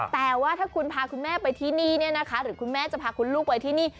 แต่ว่าถ้าคุณพาคุณแม่ไปที่นี่เนี่ยนะคะหรือคุณแม่จะพาคุณลูกไปที่นี่